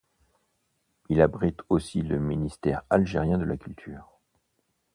Il abrite aussi le ministère algérien de la culture.